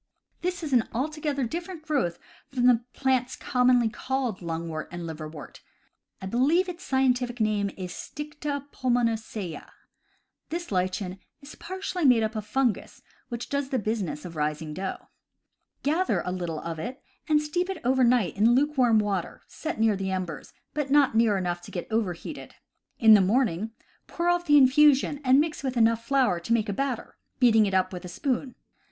This is an altogether different growth from the plants com monly called lungwort and liverwort — I believe its scientific name is Stida pulmonacea. This lichen is partly made up of fungus, which does the business of raising dough. Gather a little of it and steep it over night in lukewarm water, set near the embers, but not near enough to get overheated. In the morning, pour off the infusion and mix it with enough flour to make a batter, beating it up with a spoon.